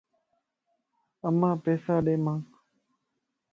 امان پيسا ڏي مانک